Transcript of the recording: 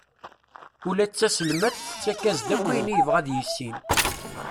Ula d taselmadt tettak-as-d akk ayen i yebɣa ad yissin.